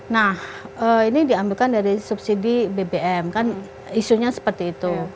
nah ini diambilkan dari subsidi bbm kan isunya seperti itu